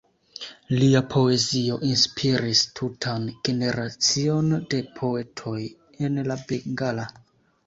Lia poezio inspiris tutan generacion de poetoj en la bengala.